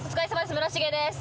村重です。